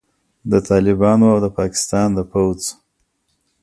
د طالبانو او د پاکستان د پوځ